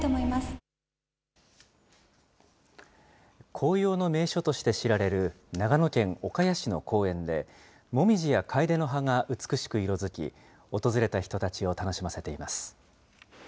紅葉の名所として知られる、長野県岡谷市の公園で、モミジやカエデの葉が美しく色づき、訪れた人たちを楽しませています。